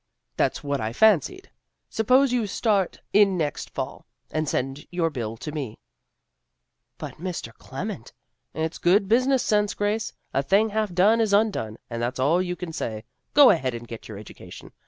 " That's what I fancied. Suppose you start in next fall, and send your bill to me." " But, Mr. Clement "" It's good business sense, Grace. A thing half done is undone, and that's all you can say. Go ahead and get your education.